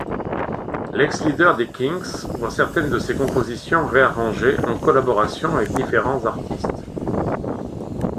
L'ex-leader des Kinks voit certaines de ses compositions réarrangées en collaboration avec différents artistes.